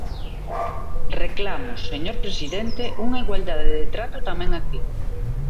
Reclamo, señor presidente, unha igualdade de trato tamén aquí.